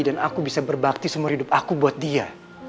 dan aku bisa berbakti semua hidup aku buat dia